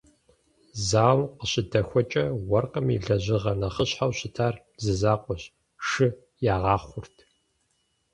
Зауэм къыщыдэхуэкӀэ, уэркъым и лэжьыгъэ нэхъыщхьэу щытар зы закъуэщ – шы ягъэхъурт.